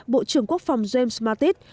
bộ trưởng quốc phòng james mattis